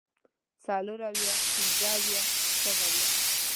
څلور اويه پنځۀ اويه شپږ اويه